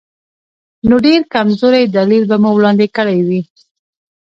نو ډېر کمزوری دلیل به مو وړاندې کړی وي.